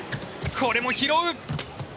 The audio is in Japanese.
これも拾う。